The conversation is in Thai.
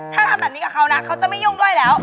ถ้าทำแบบนี้กับเขานะเขาจะไม่ยุ่งด้วยแล้ว